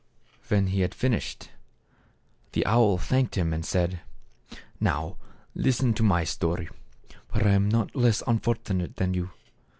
When he had finished, the owl thanked him and said, " Now listen to my story, for I am not less unfortunate than you.